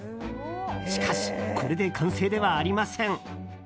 しかしこれで完成ではありません。